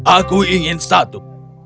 aku ingin satu